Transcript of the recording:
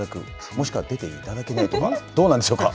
もしくは出ていけないとか、どうなんでしょうか。